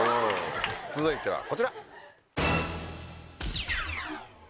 続いてはこちら。